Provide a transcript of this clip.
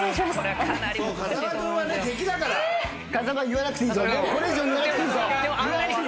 言わなくていいぞ。